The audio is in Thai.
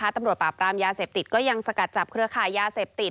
ตำรวจปราบรามยาเสพติดก็ยังสกัดจับเครือขายยาเสพติด